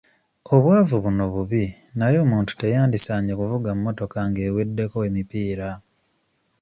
Obwavu buno bubi naye omuntu teyandisaanye kuvuga mmotoka ng'eweddeko emipiira.